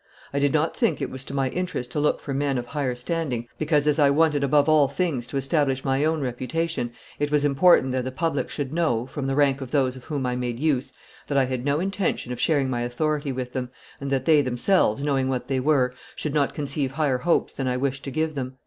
I did not think it was to my interest to look for men of higher standing, because, as I wanted above all things to establish my own reputation, it was important that the public should know, from the rank of those of whom I made use, that I had no intention of sharing my authority with them, and that they themselves, knowing what they were, should not conceive higher hopes than I wished to give them."